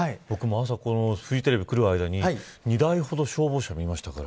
朝フジテレビに来る間に２台ほど消防車を見ましたから。